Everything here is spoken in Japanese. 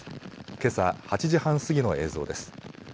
けさ８時半過ぎの映像です。